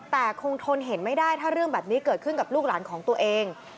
แต่คงทนเห็นไม่ได้ถ้าเรื่องแบบนี้เกิดขึ้นกับลูกหลานของตัวเอง